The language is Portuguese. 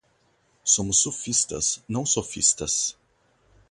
Somos sufistas, não sofistas